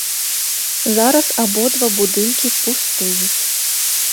Зараз абодва будынкі пустуюць.